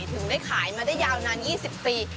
ถึงได้ขายมาได้ยาวนาน๒๐ปี